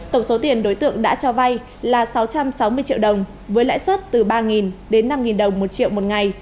tổng số tiền đối tượng đã cho vay là sáu trăm sáu mươi triệu đồng với lãi suất từ ba đến năm đồng một triệu một ngày